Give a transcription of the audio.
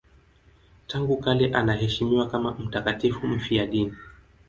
Tangu kale anaheshimiwa kama mtakatifu mfiadini.